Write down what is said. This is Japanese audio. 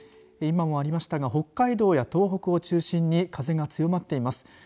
今もありましたが北海道や東北を中心に風が強まっています。